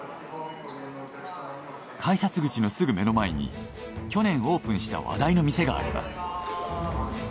改札口のすぐ目の前に去年オープンした話題の店があります。